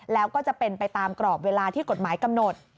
แล้วก็จะเป็นไปตามกรอบเวลาที่กฎหมายกำหนด